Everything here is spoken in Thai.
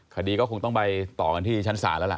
คดีก็คงต้องไปต่อกันที่ชั้นศาลแล้วล่ะ